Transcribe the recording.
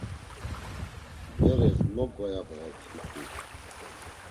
Beres mo goyabğet hiǩu.